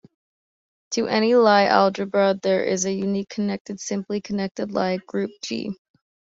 To any Lie algebra, there is a unique connected, simply connected Lie group "G".